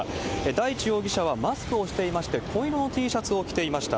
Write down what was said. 大地容疑者はマスクをしていまして、紺色のＴシャツを着ていました。